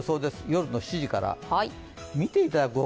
夜の７時から。